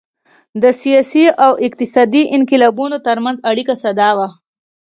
د سیاسي او اقتصادي انقلابونو ترمنځ اړیکه ساده وه